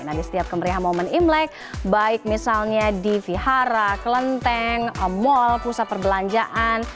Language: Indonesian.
nah di setiap kemeriahan momen imlek baik misalnya di vihara kelenteng mal pusat perbelanjaan